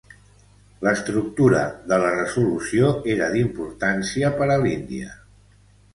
L'estructura de la resolució era d'importància per a l'Índia.